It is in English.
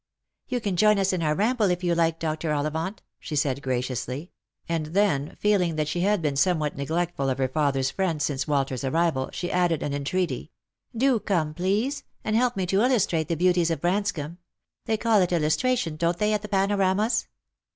" Tou can join us in our ramble if you like, Dr. Ollivant," she said graciously ; and then, feeling that she had been some what neglectful of her father's friend since Walter's arrival, she added an entreaty :" Do come, please, and help me to illustrate the beauties of Branscomb. They call it illustration, don't they, at the panoramas